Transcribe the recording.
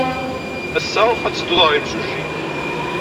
Ass-a, ad teddud ɣer yimsujji?